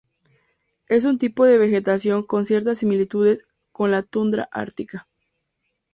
Es un tipo de vegetación con ciertas similitudes con la tundra ártica.